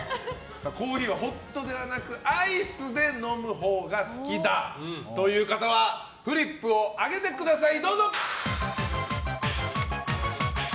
コーヒーはホットではなくアイスで飲むほうが好きだという方はフリップを上げてください。